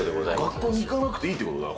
学校に行かなくていいってことだな？